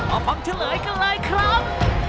เอาความเฉลยกันเลยครับ